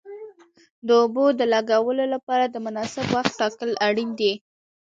د اوبو د لګولو لپاره د مناسب وخت ټاکل اړین دي.